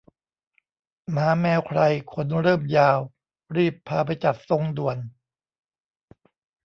หมาแมวใครขนเริ่มยาว รีบพาไปจัดทรงด่วน